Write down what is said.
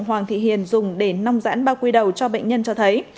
hoàng thị hiền dùng để nong giãn bao quy đầu cho bệnh nhân cho thấy